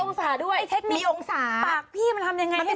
เราต้องมองไปอย่างนี้